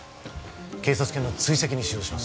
警察犬の追跡に使用します